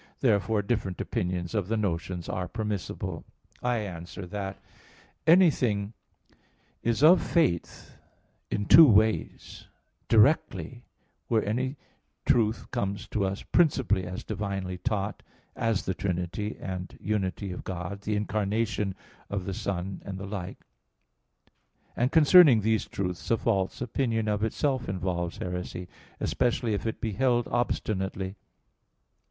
Therefore different opinions of the notions are permissible. I answer that, Anything is of faith in two ways; directly, where any truth comes to us principally as divinely taught, as the trinity and unity of God, the Incarnation of the Son, and the like; and concerning these truths a false opinion of itself involves heresy, especially if it be held obstinately.